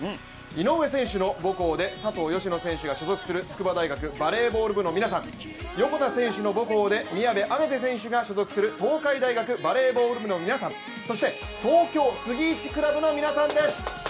井上選手の母校で佐藤淑乃選手が所属する筑波大学バレーボール部の皆さん横田選手の母校で宮部愛芽世選手が所属する東海大学バレーボール部の皆さん、そして東京杉一クラブの皆さんです。